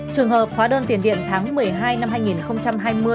trường hợp hóa đơn tiền điện tháng một mươi hai năm hai nghìn hai mươi